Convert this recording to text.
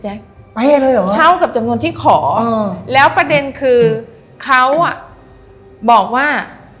ไปเลยเหรอเท่ากับจำนวนที่ขอแล้วประเด็นคือเขาอ่ะบอกว่า